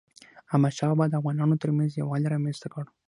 احمدشاه بابا د افغانانو ترمنځ یووالی رامنځته کړ.